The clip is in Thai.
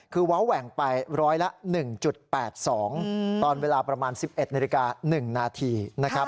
คือเว้าแหว่งไปร้อยละ๑๘๒ตอนเวลาประมาณ๑๑นาฬิกา๑นาทีนะครับ